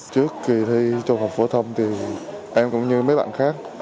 trước kỳ thi trung học phổ thông thì em cũng như mấy bạn khác